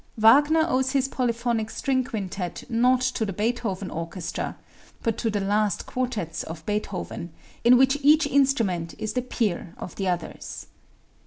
Wagner owes his polyphonic string quintet not to the Beethoven orchestra, but to the last quartets of Beethoven, in which each instrument is the peer of the others.